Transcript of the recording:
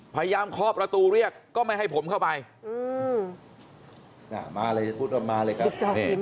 เคาะประตูเรียกก็ไม่ให้ผมเข้าไปมาเลยพูดว่ามาเลยครับ